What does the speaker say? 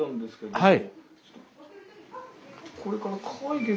はい。